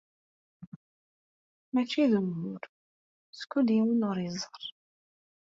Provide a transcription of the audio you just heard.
Mačči d ugur skud yiwen ur iẓerr.